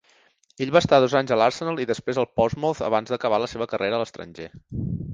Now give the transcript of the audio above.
Ell va estar dos anys al Arsenal i després al Portsmouth abans d'acabar la seva carrera a l'estranger.